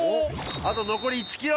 あと残り１ｋｍ！